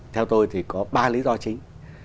theo tôi thì có ba lý do chính